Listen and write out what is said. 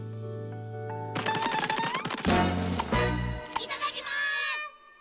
いただきます。